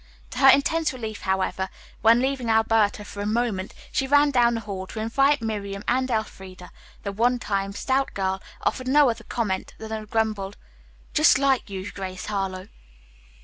To her intense relief, however, when leaving Alberta for a moment she ran down the hall to invite Miriam and Elfreda, the one time stout girl offered no other comment than a grumbled, "Just like you, Grace Harlowe."